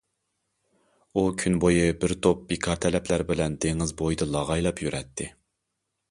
ئۇ كۈن بويى بىر توپ بىكار تەلەپلەر بىلەن دېڭىز بويىدا لاغايلاپ يۈرەتتى.